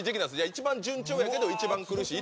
一番順調やけど一番苦しい。